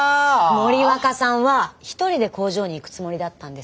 森若さんは１人で工場に行くつもりだったんです。